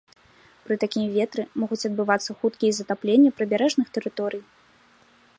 Пры такім ветры могуць адбывацца хуткія затапленні прыбярэжных тэрыторый.